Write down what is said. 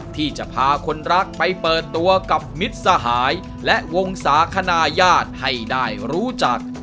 ที่จะพาคนรักไปเปิดตัวกับมิตรสหายและวงศาคณะญาติให้ได้รู้จัก